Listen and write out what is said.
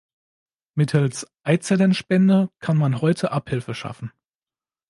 Mittels Eizellenspende kann man heute Abhilfe schaffen.